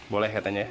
boleh katanya ya